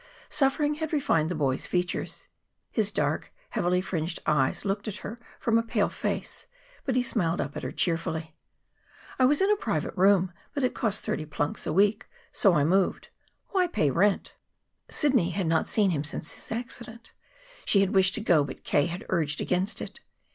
Suffering had refined the boy's features. His dark, heavily fringed eyes looked at her from a pale face. But he smiled up at her cheerfully. "I was in a private room; but it cost thirty plunks a week, so I moved. Why pay rent?" Sidney had not seen him since his accident. She had wished to go, but K. had urged against it.